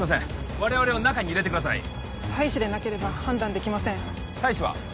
我々を中に入れてください大使でなければ判断できません大使は？